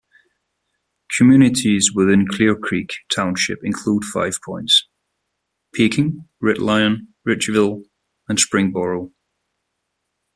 Communities within Clearcreek Township include Five Points, Pekin, Red Lion, Ridgeville, and Springboro.